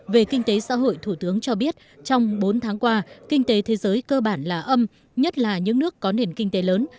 về kinh tế xã hội thủ tướng cho biết trong bốn tháng qua kinh tế thế giới cơ bản là âm nhất là những nước có nền kinh tế lớn